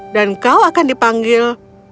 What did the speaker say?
dan kau akan dipanggil